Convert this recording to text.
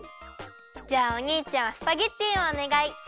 じゃあおにいちゃんはスパゲッティをおねがい。